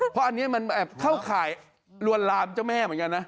เพราะอันนี้มันเข้าข่ายลวนลามเจ้าแม่เหมือนกันนะ